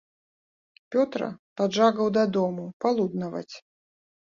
Пётра паджгаў да дому палуднаваць.